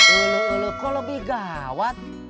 ulu ulu kok lebih gawat